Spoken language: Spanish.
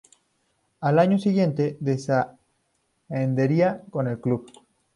Al año siguiente descendería con el club.